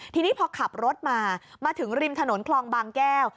ทีนี้พอขับรถมามาถึงริมถนนคลองบางแก้ว